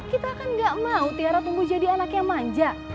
kita kan gak mau tiara tumbuh jadi anak yang manja